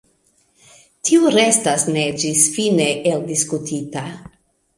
Tio restas ne ĝisfine eldiskutita.